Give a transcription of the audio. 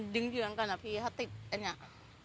มันดึงเยืองกันอะพี่ถ้าติดเนี่ย